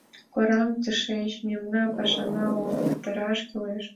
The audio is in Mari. — Кораҥ тышеч, мемнан пашана уло, пытараш кӱлеш.